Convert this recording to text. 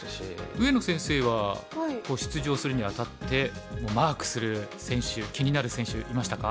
上野先生は出場するにあたってマークする選手気になる選手いましたか？